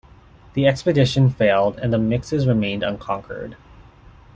The expedition failed and the Mixes remained unconquered.